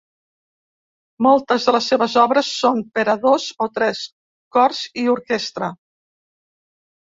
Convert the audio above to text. Moltes de les seves obres són per a dos o tres cors i orquestra.